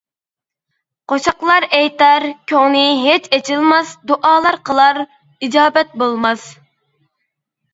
قوشاقلار ئېيتار، كۆڭلى ھېچ ئېچىلماس، دۇئالار قىلار، ئىجابەت بولماس.